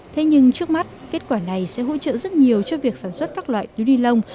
thế nhưng trước mắt kết quả này sẽ hỗ trợ rất nhiều cho việc sản xuất các loại túi ni lông